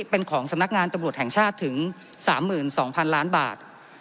เป็นของสำนักงานตำรวจแห่งชาติถึง๓๒๐๐๐ล้านบาท